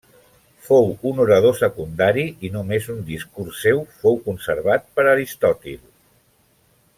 Fou un orador secundari i només un discurs seu fou conservat per Aristòtil.